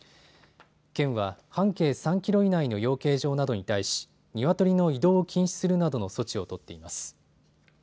県は半径３キロ以内の養鶏場などに対しニワトリの移動を禁止するなどの措置を取っています。